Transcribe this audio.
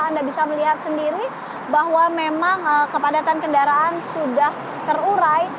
anda bisa melihat sendiri bahwa memang kepadatan kendaraan sudah terurai